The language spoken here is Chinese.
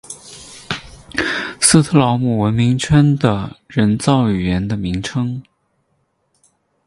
斯特劳姆文明圈的人造语言的名称。